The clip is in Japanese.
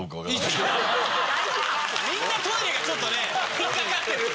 みんなトイレがちょっとね引っかかってる。